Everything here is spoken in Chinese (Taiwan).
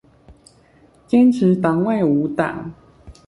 堅持黨外無黨